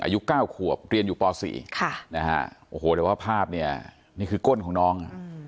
อายุ๙ขวบเรียนอยู่ป๔นะฮะโอ้โหแต่ว่าภาพเนี่ยนี่คือก้นของน้อง